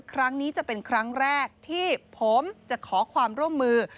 ครั้งนี้จะเป็นครั้งแรกที่ผมจะขอความร่วมมือ